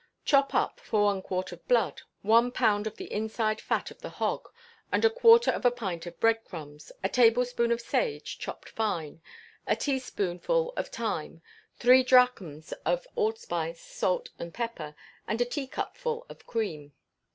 Chop up (for one quart of blood) one pound of the inside fat of the hog, and a quarter of a pint of bread crumbs, a tablespoonful of sage, chopped fine, a teaspoonful of thyme, three drachms each of allspice, salt, and pepper, and a teacupful of cream.